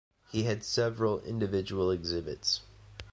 He had several individual exhibits.